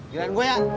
jalan gue ya